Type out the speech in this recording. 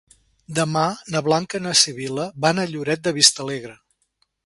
Demà na Blanca i na Sibil·la van a Lloret de Vistalegre.